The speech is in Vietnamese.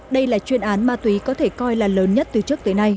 đây là chuyên án ma túy có thể coi là lớn nhất từ trước tới nay